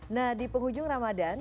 nah di penghujung ramadan